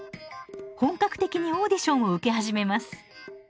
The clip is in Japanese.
本格的にオーディションを受け始めます。